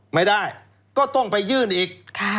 ไม่ได้ก็ต้องไปยื่นอีก